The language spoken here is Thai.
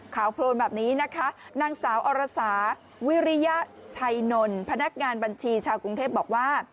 โครนแบบนี้นะคะนางสาวอรสาวิริยชัยนลพนักงานบัญชีชาวกรุงเทพบอกว่า